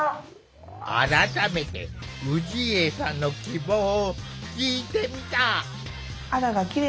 改めて氏家さんの希望を聞いてみた。